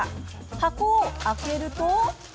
箱を開けると。